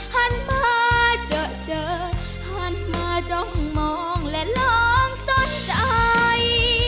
หันมาเจอเจอหันมาจ้องมองและลองสนใจ